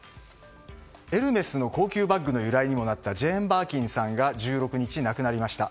エルメスの高級バッグの由来にもなったジェーン・バーキンさんが１６日、亡くなりました。